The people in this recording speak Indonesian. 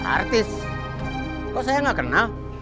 artis kok saya nggak kenal